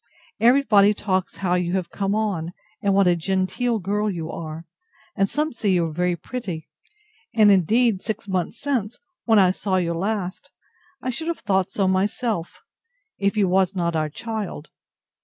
Every body talks how you have come on, and what a genteel girl you are; and some say you are very pretty; and, indeed, six months since, when I saw you last, I should have thought so myself, if you was not our child.